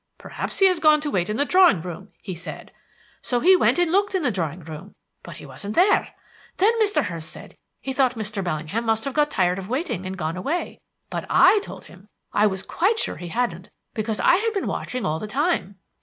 'Perhaps he has gone to wait in the drawing room,' he said. So he went and looked in the drawing room, but he wasn't there. Then Mr. Hurst said he thought Mr. Bellingham must have got tired of waiting and gone away; but I told him I was quite sure he hadn't, because I had been watching all the time.